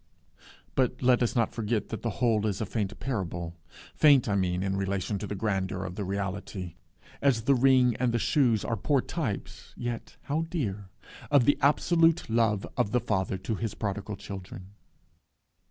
But let us not forget that the whole is a faint parable faint I mean in relation to the grandeur of the reality, as the ring and the shoes are poor types (yet how dear!) of the absolute love of the Father to his prodigal children.